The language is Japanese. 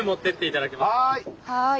はい！